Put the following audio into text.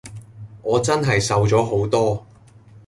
我真係瘦咗好多！